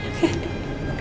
masa yang terbaik